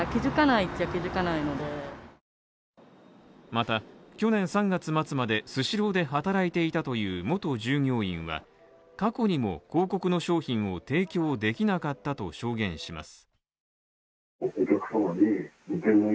また去年３月末まで、スシローで働いていたという元従業員は過去にも、広告の商品を提供できなかったと証言します。